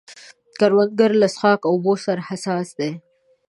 کروندګر له څښاک اوبو سره حساس دی